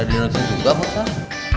ada di indonesia juga pak ustadz